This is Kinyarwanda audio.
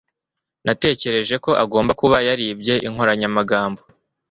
natekereje ko agomba kuba yaribye inkoranyamagambo